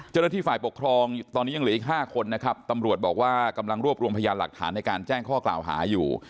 เจ้าหน้าที่ฝ่ายปกครองตอนนี้ยังเหลืออีก๕คนนะครับตำรวจบอกว่ากำลังรวบรวมพยานหลักฐานในการแจ้งข้อกล่าวหาอยู่